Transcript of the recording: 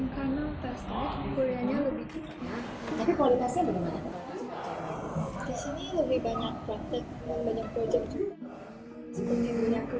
karena utasnya kualitasnya lebih tinggi